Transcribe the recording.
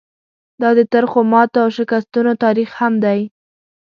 دا د ترخو ماتو او شکستونو تاریخ هم دی.